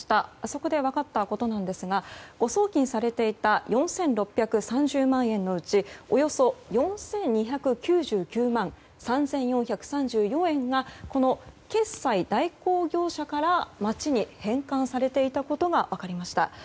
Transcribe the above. そこで分かったことですが誤送金されていた４６３０万円のうちおよそ４２９９万３４３４円がこの決済代行業者から町に返還されていたことが分かりました。